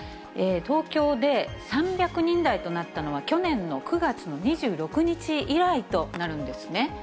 東京で３００人台となったのは、去年の９月の２６日以来となるんですね。